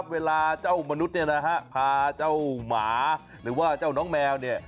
เวลาเจ้ามนุษย์พาเจ้าหมาหรือว่าเจ้าน้องแมวเนี่ย